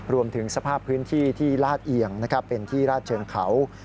รวมถึงสภาพพื้นที่ที่ลาดเอียงเป็นที่ราชเชิงเขา